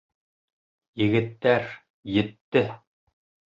Егеттәр, етте!